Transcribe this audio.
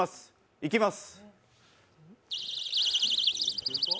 いきます。